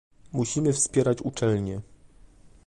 Musimy wspierać uczelnie